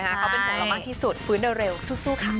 เขาเป็นห่วงเรามากที่สุดฟื้นเร็วสู้ค่ะ